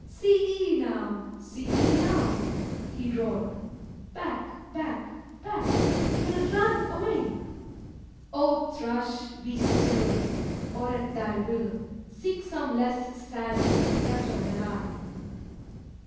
See ee now! see ee now!' (he drawl'd) 'Back! back! back! R r r run away!' O Thrush, be still! Or at thy will, Seek some less sad interpreter than I.